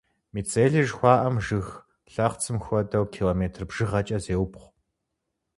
Мицелий жыхуаӏэм, жыг лъэхъцым хуэдэу, километр бжыгъэкӏэ зеубгъу.